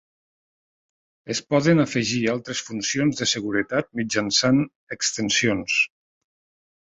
Es poden afegir altres funcions de seguretat mitjançant extensions.